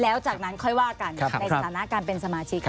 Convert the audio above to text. แล้วจากนั้นค่อยว่ากันในสถานะการเป็นสมาชิก